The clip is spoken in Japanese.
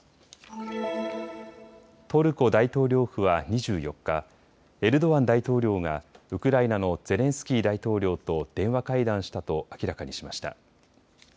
トルコ大統領府は２４日、エルドアン大統領がウクライナのゼレンスキー大統領と電話会談したと明らかにしました。